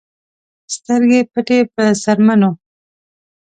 سترګې پټې په څرمنو